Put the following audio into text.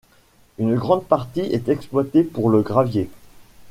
Une grande partie est exploitée pour le gravier.